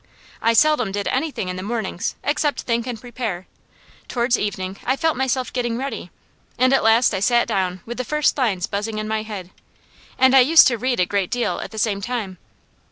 I seldom did anything in the mornings except think and prepare; towards evening I felt myself getting ready, and at last I sat down with the first lines buzzing in my head. And I used to read a great deal at the same time.